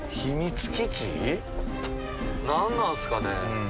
何なんすかね？